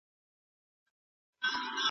په نړۍ کي هر څه د وخت په تیریدو سره بدلیږي.